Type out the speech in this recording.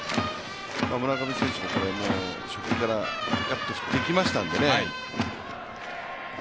村上選手も初球からガッと振っていきましたからね。